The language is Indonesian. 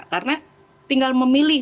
karena tinggal memilih